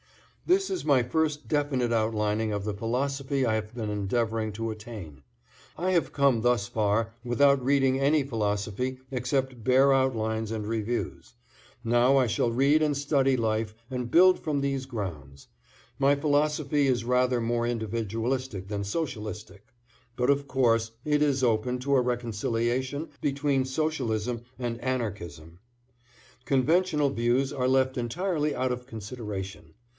This is my first definite outlining of the philosophy I have been endeavoring to attain. I have come thus far without reading any philosophy except bare outlines and reviews. Now I shall read and study life and build from these grounds. My philosophy is rather more individualistic than socialistic, but, of course, it is open to a reconciliation between Socialism and Anarchism. Conventional views are left entirely out of consideration.